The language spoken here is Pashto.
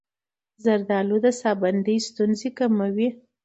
زردآلو د ساه بندۍ ستونزې کموي.